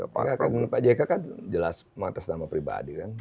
pak jk kan jelas mengatas nama pribadi kan